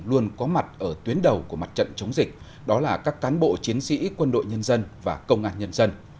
luôn có mặt ở tuyến đầu của mặt trận chống dịch đó là các cán bộ chiến sĩ quân đội nhân dân và công an nhân dân